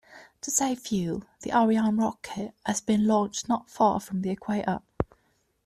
To save fuel, the Ariane rocket has been launched not far from the equator.